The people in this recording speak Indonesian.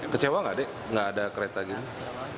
kecewa nggak dik nggak ada kereta gitu